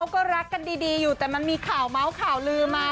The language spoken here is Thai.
พวกเขาก็รักกันดีอยู่แต่มันมีข่าวเม้าข่าวลืมมา